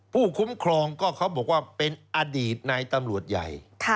ผู้คุ้มครองก็เขาบอกว่าเป็นอดีตนายตำรวจใหญ่